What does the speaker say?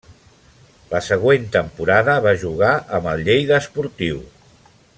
La següent temporada va jugar amb el Lleida Esportiu.